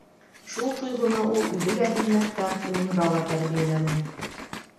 Шул тойғоно ул үҙе лә һиҙмәҫтән улында ла тәрбиәләне.